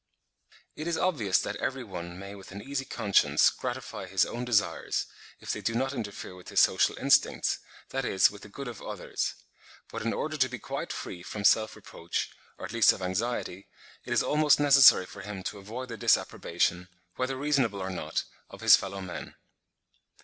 It is obvious that every one may with an easy conscience gratify his own desires, if they do not interfere with his social instincts, that is with the good of others; but in order to be quite free from self reproach, or at least of anxiety, it is almost necessary for him to avoid the disapprobation, whether reasonable or not, of his fellow men.